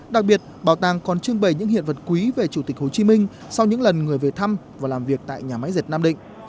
đặc biệt bảo tàng còn trưng bày những hiện vật quý về chủ tịch hồ chí minh sau những lần người về thăm và làm việc tại nhà máy dệt nam định